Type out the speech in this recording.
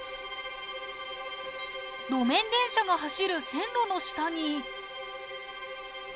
路面電車が走る線路の下に